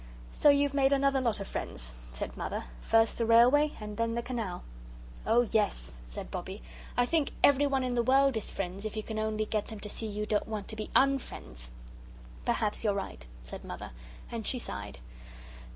"So you've made another lot of friends," said Mother; "first the railway and then the canal!" "Oh, yes," said Bobbie; "I think everyone in the world is friends if you can only get them to see you don't want to be UN friends." "Perhaps you're right," said Mother; and she sighed.